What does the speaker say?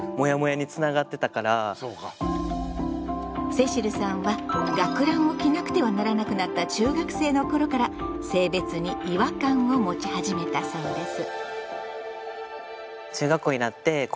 聖秋流さんは学ランを着なくてはならなくなった中学生のころから性別に違和感を持ち始めたそうです。